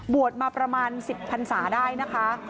มาประมาณ๑๐พันศาได้นะคะ